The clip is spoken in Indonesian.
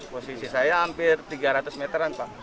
posisi saya hampir tiga ratus meteran pak